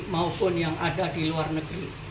maupun yang ada di luar negeri